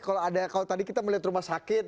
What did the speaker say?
kalau tadi kita melihat rumah sakit